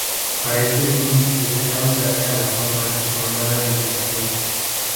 Para este fin el secado se hace a la sombra y con buena ventilación.